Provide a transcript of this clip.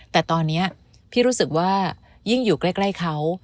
แต่ตอนนี้พี่รู้สึกว่ายิ่งอยู่ใกล้เขา